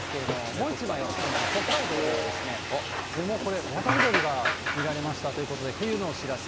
もう１枚、今度ね、北海道ではこれ、渡り鳥が見られましたということで、冬の知らせ。